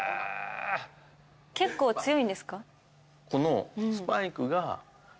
結構強いんですか？